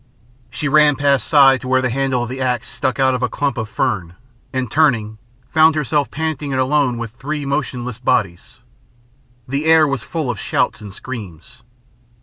She ran past Si to where the handle of the axe stuck out of a clump of fern, and turning, found herself panting and alone with three motionless bodies. The air was full of shouts and screams.